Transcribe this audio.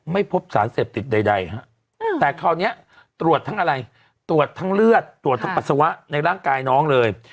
ไม่พบสารเสพติดใดฮะแต่คราวนี้ตรวจทั้งอะไรตรวจทั้งเลือดตรวจทั้งปัสสาวะในร่างกายน้องเลย